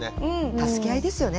助け合いですよね。